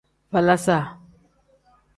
Falaasa.